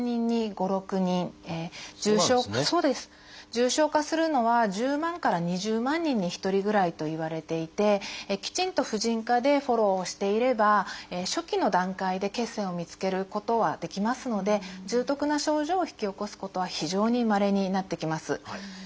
重症化するのは１０万から２０万人に１人ぐらいといわれていてきちんと婦人科でフォローをしていれば初期の段階で血栓を見つけることはできますので重篤な症状を引き起こすことは非常にまれになってきます。